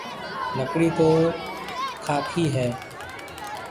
لڪڙِي تو کاڪِي هيَ۔